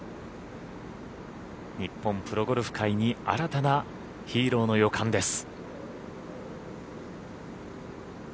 日本プロゴルフ界に新たなヒーローの予感です。